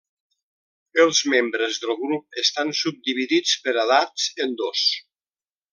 Els membres del grup estan subdividits per edats en dos.